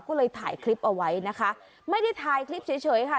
ก็เลยถ่ายคลิปเอาไว้นะคะไม่ได้ถ่ายคลิปเฉยเฉยค่ะ